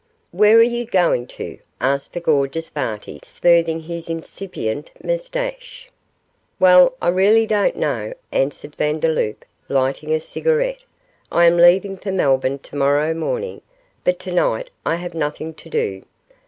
'Where are you going to?' asked the gorgeous Barty, smoothing his incipient moustache. 'Well, I really don't know,' answered Vandeloup, lighting a cigarette. 'I am leaving for Melbourne to morrow morning, but to night I have nothing to do.